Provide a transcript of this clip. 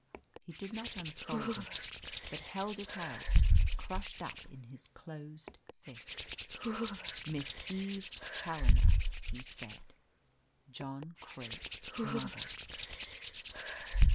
He did not unfold it, but held it out, crushed up in his closed fist. "Miss Eve Challoner," he said. John Craik nodded.